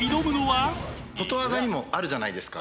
ことわざにもあるじゃないですか。